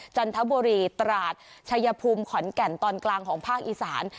จันทบุรีตราดชัยภูมิขอนแก่นตอนกลางของภาคอีสาน